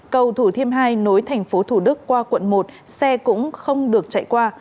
cầu thủ thiêm hai nối thành phố thủ đức qua quận một xe cũng không được chạy qua